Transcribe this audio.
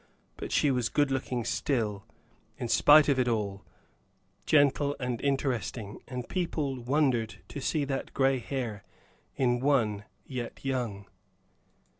But she was good looking still, in spite of it all, gentle and interesting; and people wondered to see that gray hair in one yet young.